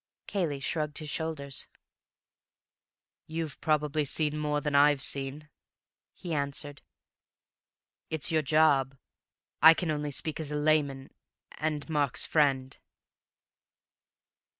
Cayley shrugged his shoulders. "You've probably seen more than I've seen," he answered. "It's your job. I can only speak as a layman—and Mark's friend."